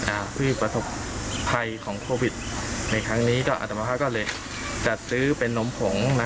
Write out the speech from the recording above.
อ่าผู้ประสบภัยของโควิดในครั้งนี้ก็อัตมาภาก็เลยจัดซื้อเป็นนมผงนะ